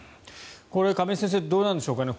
亀井先生どうなんでしょうかね。